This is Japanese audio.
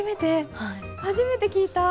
初めて聞いた？